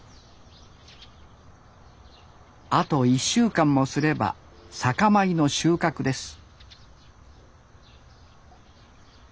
あと１週間もすれば酒米の収穫です